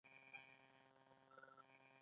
شاه جهان د ډیلي سور کلا جوړه کړه.